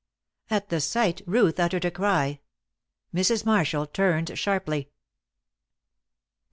At the sight Ruth uttered a cry. Mrs. Marshall turned sharply. CHAPTER XXV.